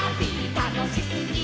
たのしすぎ」